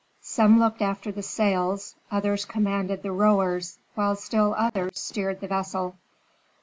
Some looked after the sails, others commanded the rowers, while still others steered the vessel.